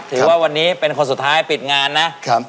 ถือว่าวันนี้เป็นคนสุดท้ายปิดงานนะครับ